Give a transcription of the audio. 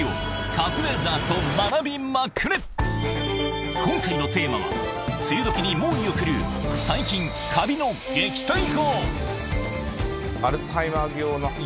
カズレーザーと学びまくれ今回のテーマは梅雨時に猛威を振るう今すぐ食べたい！